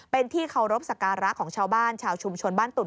เป็นที่เคารพสักการะของชาวบ้านชาวชุมชนบ้านตุ่น